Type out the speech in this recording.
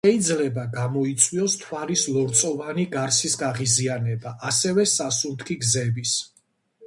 შეიძლება გამოიწვიოს თვალის ლორწოვანი გარსის გაღიზიანება, ასევე სასუნთქი გზების.